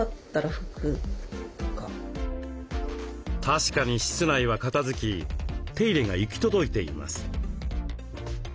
確かに室内は片づき手入れが行き届いています。